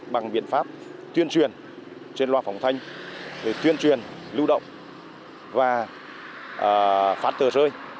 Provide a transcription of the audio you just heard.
bằng biện pháp tuyên truyền trên loa phóng thanh để tuyên truyền lưu động và phát tờ rơi